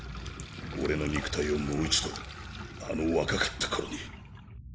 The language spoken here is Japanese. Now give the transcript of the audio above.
俺の肉体をもう一度あの若かった頃に。